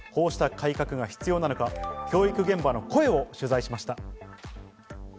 なぜこうした改革が必要なのか、教育現場の声を取材しました。